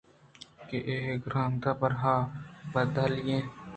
کہ اے کرٛانکگ پر آہاں بدپالی ئے